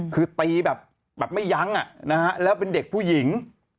คือตีแบบไม่ยั้งแล้วเป็นเด็กผู้หญิง